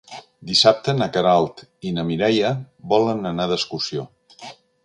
Dissabte na Queralt i na Mireia volen anar d'excursió.